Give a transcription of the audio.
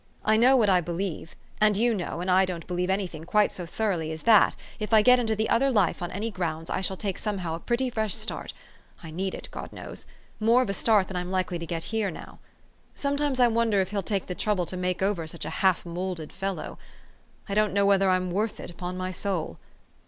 I know what I believe, and you know, and I don't believe any thing quite so thoroughly as that, if I get into the other life on any grounds, I shall take some how a pretty fresh start, I need it, God knows ! more of a start than I'm likely to get here now. Sometimes I wonder if He'll take the trouble to make over such a half moulded fellow. I don't know whether I'm worth it, upon my soul!